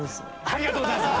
ありがとうございます！